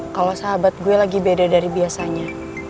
kalau sahabat gue lagi beda dari biasanya